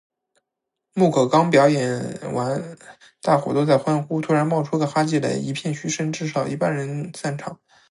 木口刚表演完大伙都在欢呼，突然冒出个哈基雷，一片嘘声，至少一半人散场